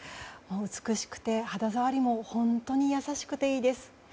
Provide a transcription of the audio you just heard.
美しくて肌触りも本当に優しくていいです。